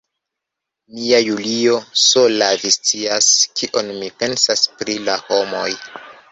Mia Julio, sola vi scias, kion mi pensas pri la homoj.